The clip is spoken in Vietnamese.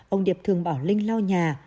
ông điệp thường bảo linh lau nhà